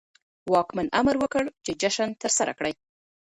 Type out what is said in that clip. واکمن امر وکړ چې جشن ترسره کړي.